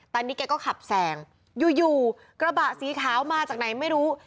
ตอนนี้แกก็ขับแซงอยู่กระบะสีขาวมาจากไหนไม่รู้